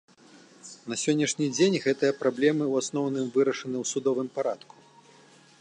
На сённяшні дзень гэтыя праблемы ў асноўным вырашаны ў судовым парадку.